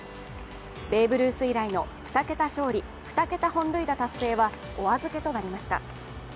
ベーブ・ルース以来の２桁勝利、２桁本塁打達成はお預けとなりました。